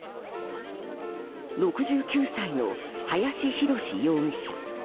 ６９歳の林弘容疑者。